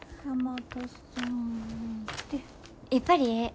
やっぱりええ。